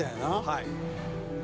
「はい」